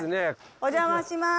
お邪魔します！